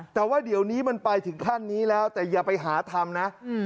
แต่ว่าเดี๋ยวนี้มันไปถึงขั้นนี้แล้วแต่อย่าไปหาทำนะ